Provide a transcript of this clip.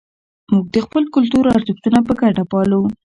موږ د خپل کلتور ارزښتونه په ګډه پالو.